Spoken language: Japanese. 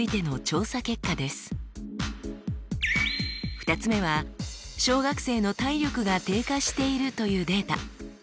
２つ目は小学生の体力が低下しているというデータ。